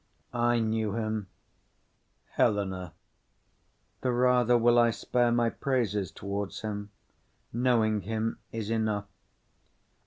I knew him. HELENA. The rather will I spare my praises towards him. Knowing him is enough.